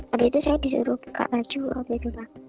habis itu saya disuruh buka baju waktu itu pak